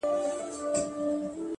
هره شېبه د غوره کېدو امکان لري!